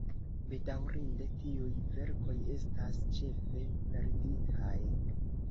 Bedaŭrinde tiuj verkoj estas ĉefe perditaj.